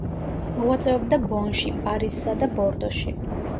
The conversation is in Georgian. მოღვაწეობდა ბონში, პარიზსა და ბორდოში.